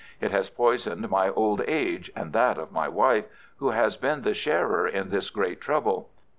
It has poisoned my old age and that of my wife, who has been the sharer in this great trouble.